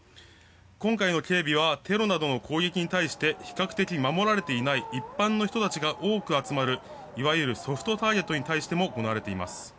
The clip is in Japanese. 今回の警備はテロなどの攻撃に対して比較的守られていない一般の人たちが多く集まるいわゆるソフトターゲットに対しても行われています。